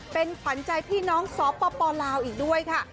เป็นขวัญใจพี่น้องสปลาวอีกด้วยค่ะ